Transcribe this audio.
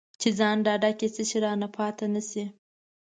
چې ځان ډاډه کړي څه شی رانه پاتې نه شي.